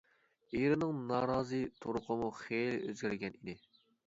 ئېرىنىڭ نارازى تۇرقىمۇ خېلى ئۆزگەرگەن ئىدى.